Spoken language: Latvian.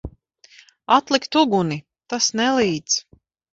Atlikt uguni! Tas nelīdz.